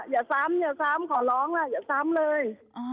อย่าซ้ำอย่าซ้ำขอร้องล่ะอย่าซ้ำเลย